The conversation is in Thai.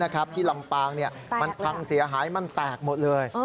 ที่ลำปางมันพังเสียหายมันแตกหมดเลย